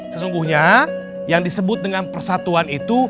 sesungguhnya yang disebut dengan persatuan itu